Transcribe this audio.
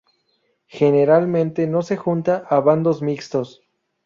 Generalmente no se junta a bandos mixtos.